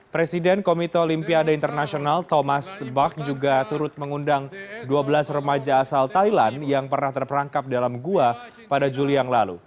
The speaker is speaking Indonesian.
presiden komite olimpiade internasional thomas bach juga turut mengundang dua belas remaja